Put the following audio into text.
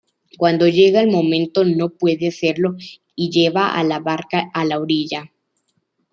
Cuando llega el momento no puede hacerlo y lleva la barca a la orilla.